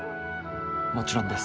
もちろんです。